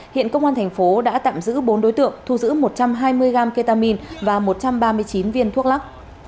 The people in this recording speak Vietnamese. hiện công an thành phố đã tạm giữ bốn đối tượng thu giữ một trăm hai mươi gram ketamine và một trăm ba mươi chín viên thuốc lắc